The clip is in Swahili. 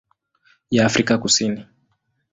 ya Afrika Kusini.